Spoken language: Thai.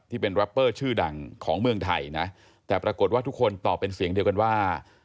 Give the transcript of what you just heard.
ที่เป็นแรปเปอร์ชื่อดังของเมืองไทยนะแต่ปรากฏว่าทุกคนตอบเป็นเสียงเดียวกันว่า